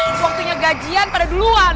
saku barengu tambah yr ratusan berubah ratusan